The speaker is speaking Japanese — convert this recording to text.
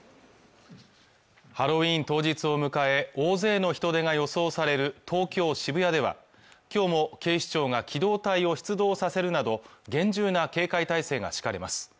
ハロウィーン当日を迎え大勢の人出が予想される東京・渋谷ではきょうも警視庁が機動隊を出動させるなど厳重な警戒態勢が敷かれます